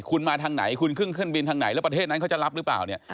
คุณมาทางไหนคุณขึ้นเครื่องบินทางไหนแล้วประเทศนั้นเขาจะรับหรือเปล่าเนี่ย